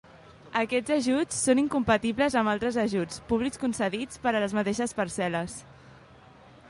Aquests ajuts són incompatibles amb altres ajuts públics concedits per a les mateixes parcel·les.